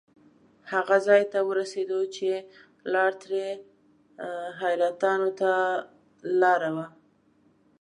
هغه ځای ته ورسېدو چې لار ترې حیرتانو ته لاړه وه.